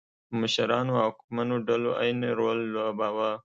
مشرانو او واکمنو ډلو عین رول لوباوه.